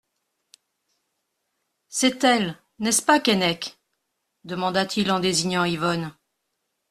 C'est-elle, n'est-ce pas, Keinec ? demanda-t-il en désignant Yvonne.